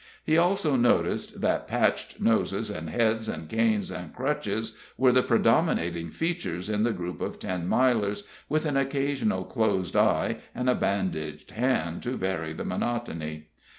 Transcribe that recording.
He also noticed that patched noses and heads, and canes and crutches, were the predominating features in the group of Ten Milers, with an occasional closed eye and a bandaged hand to vary the monotony.